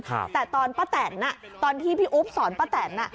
แต่ตอนป้าแตนตอนที่พี่อุ๊บสอนป้าแตน